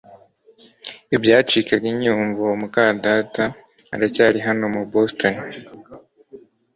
I byacikaga inyiyumvo muka data aracyari hano mu Boston